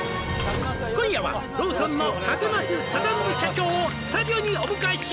「今夜はローソンの竹増貞信社長をスタジオにお迎えし」